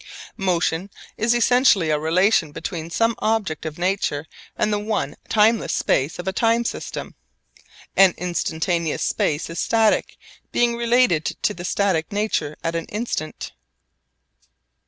Motion is essentially a relation between some object of nature and the one timeless space of a time system. An instantaneous space is static, being related to the static nature at an instant.